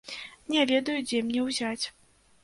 Не ведаю, дзе мне ўзяць.